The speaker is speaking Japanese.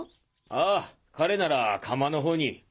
ああ彼なら窯の方に。